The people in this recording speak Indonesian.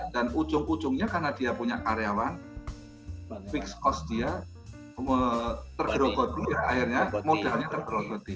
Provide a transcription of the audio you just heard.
dan ujung ujungnya karena dia punya karyawan fixed cost dia tergerogoti akhirnya modalnya tergerogoti